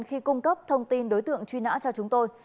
khi cung cấp thông tin đối tượng truy nã cho chúng tôi